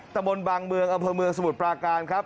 ตะบนบางเมืองอำเภอเมืองสมุทรปราการครับ